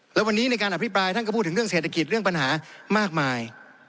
แล้ววันนี้ในการอภิปรายท่านก็พูดถึงเรื่องเศรษฐกิจเรื่องปัญหามากมาย